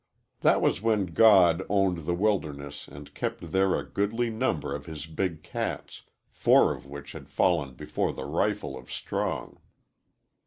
That was when God owned the wilderness and kept there a goodly number of his big cats, four of which had fallen before the rifle of Strong.